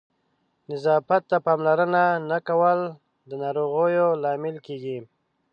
نظافت ته پاملرنه نه کول د ناروغیو لامل کېږي.